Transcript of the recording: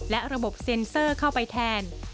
และระบบเซ็นเซอร์เข้าไปแทน